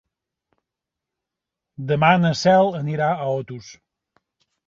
Demà na Cel anirà a Otos.